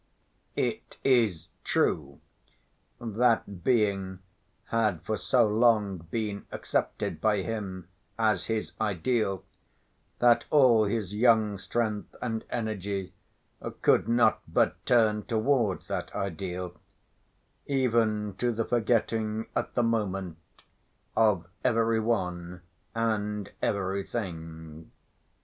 It is true that being had for so long been accepted by him as his ideal, that all his young strength and energy could not but turn towards that ideal, even to the forgetting at the moment "of every one and everything."